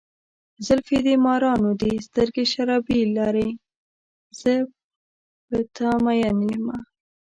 زلفې دې مارانو دي، سترګې شرابي لارې، زه په ته ماين یمه.